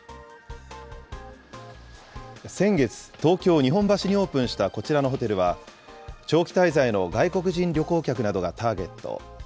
先月、東京・日本橋にオープンしたこちらのホテルは、長期滞在の外国人旅行客などがターゲット。